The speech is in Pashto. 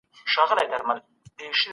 موږ د دې توپير ډېر نه کوو.